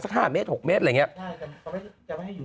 สัก๕เมตร๖เมตรอะไรอย่างนี้